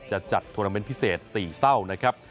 จัดทวนาเมนต์พิเศษ๔เศร้านะครับ